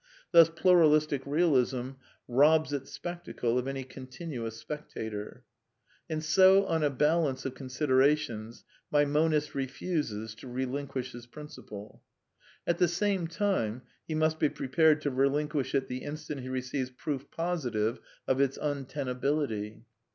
Thus Pluralistic Bealism robs its spectacle of any continuous spectator. And 80, on a balance of considerations, my monist r^ fuses to relinquish his principle. At the same time he must be prepared to relinquish it the instant he receives proof positive of its untenability.